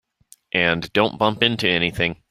And don't bump into anything.